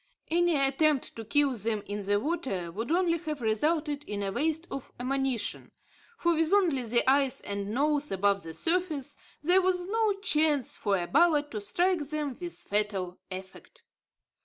Any attempt to kill them in the water would only have resulted in a waste of ammunition; for, with only the eyes and nose above the surface, there was no chance for a bullet to strike them with fatal effect.